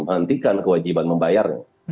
mereka menghentikan kewajiban membayarnya